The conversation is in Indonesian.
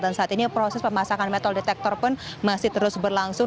dan saat ini proses pemasangan metal detektor pun masih terus berlangsung